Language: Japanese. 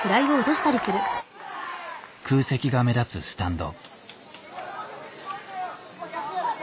空席が目立つスタンド。